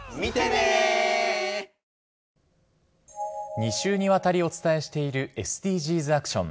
２週にわたりお伝えしているＳＤＧｓアクション。